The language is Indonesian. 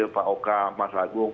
pak okamah sagung